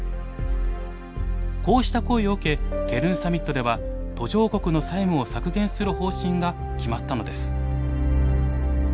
こうした声を受けケルンサミットでは途上国の債務を削減する方針が決まったのです。